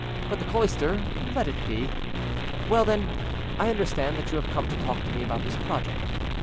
But the cloister, let it be. Well, then, I understand that you have come to talk to me about this project.